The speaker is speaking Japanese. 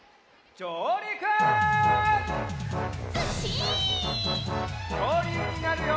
きょうりゅうになるよ！